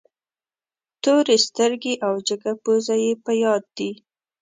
تورې سترګې او جګه پزه یې په یاد دي.